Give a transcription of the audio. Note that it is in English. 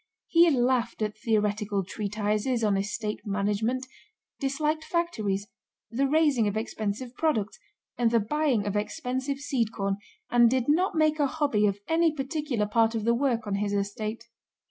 He laughed at theoretical treatises on estate management, disliked factories, the raising of expensive products, and the buying of expensive seed corn, and did not make a hobby of any particular part of the work on his estate.